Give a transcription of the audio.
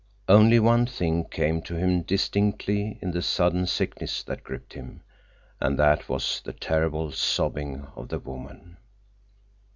Only one thing came to him distinctly in the sudden sickness that gripped him, and that was the terrible sobbing of the woman.